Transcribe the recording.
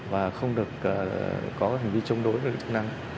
và không được có hành vi chống đối với chức năng